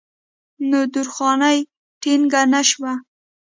نو درخانۍ ټينګه نۀ شوه